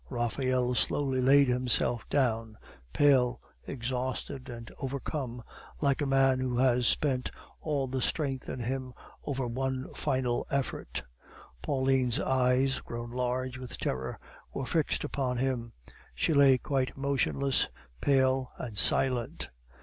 Raphael slowly laid himself down, pale, exhausted, and overcome, like a man who has spent all the strength in him over one final effort. Pauline's eyes, grown large with terror, were fixed upon him; she lay quite motionless, pale, and silent.